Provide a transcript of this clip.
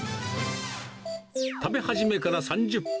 食べ始めから３０分。